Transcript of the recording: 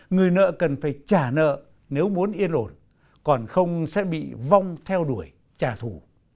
người nợ cần phải trả nợ nếu muốn yên ổn còn không sẽ bị vong theo đuổi trả thù